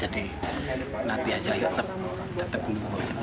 jadi nanti hasilnya tetap diungkap